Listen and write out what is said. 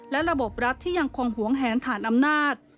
และระบบรัฐที่ยังคงหวงแหนฐานอำนาจ